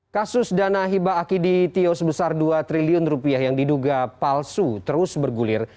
kasus dana hibah akidi tio sebesar dua triliun rupiah yang diduga palsu terus bergulir